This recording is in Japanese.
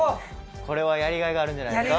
これはやりがいがあるんじゃないですか？